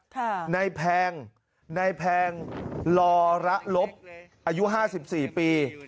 นายแพงนายแพงลอระลบอายุห้าสิบสี่ปี